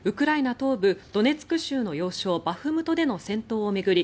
東部ドネツク州の要衝バフムトでの戦闘を巡り